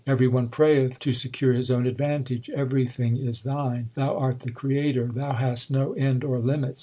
Every one prayeth to secure his own advantage. Everything is Thine ; Thou art the Creator. Thou hast no end or limits.